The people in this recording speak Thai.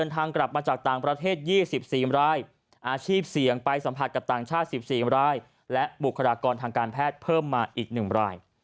ทางการแพทย์เพิ่มมาอีก๑ราย